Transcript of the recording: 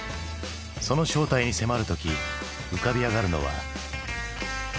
その正体に迫る時浮かび上がるのは時代の痕跡か？